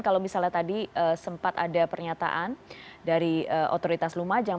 kalau misalnya tadi sempat ada pernyataan dari otoritas lumajang